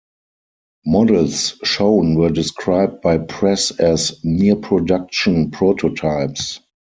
Models shown were described by press as "near-production prototypes.".